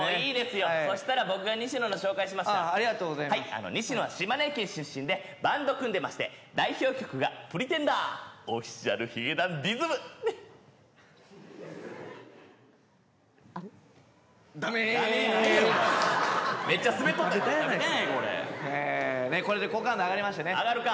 よそしたら僕が西野の紹介しますからああありがとうございます西野は島根県出身でバンド組んでまして代表曲が「Ｐｒｅｔｅｎｄｅｒ」Ｏｆｆｉｃｉａｌ髭男ｄｉｓｍダメー！「ダメ」やないやろお前めっちゃすべっとるやんベタベタやないかこれで好感度上がりましたね上がるか！